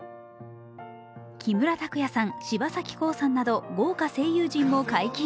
木村拓哉さん、柴咲コウさんなど豪華俳優陣も解禁。